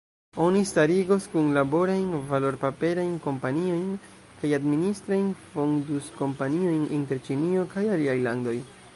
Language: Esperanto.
Oni starigos kunlaborajn valorpaperajn kompaniojn kaj administrajn fondus-kompaniojn inter Ĉinio kaj aliaj landoj.